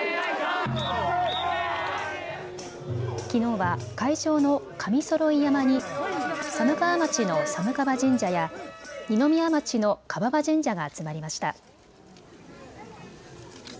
きのうは会場の神揃山に寒川町の寒川神社や二宮町の川匂神社が集まりました。